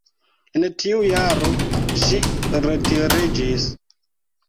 En tiu jaro ŝi retiriĝis.